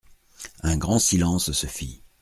Un grand silence se fit.